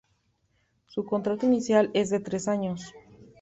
Su contrato inicial es de tres años.